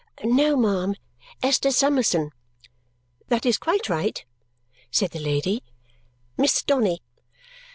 "No, ma'am, Esther Summerson." "That is quite right," said the lady, "Miss Donny."